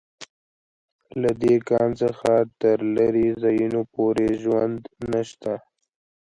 له دې کان څخه تر لېرې ځایونو پورې ژوند نشته